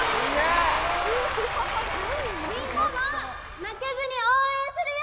みんなも負けずに応援するよ！